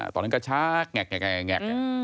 ตอนนั้นก็ชักแงก